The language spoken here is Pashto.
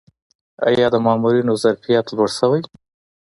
آیا د مامورینو ظرفیت لوړ شوی؟